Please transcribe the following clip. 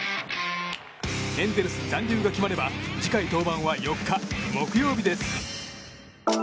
エンゼルス残留が決まれば次回登板は４日、木曜日です。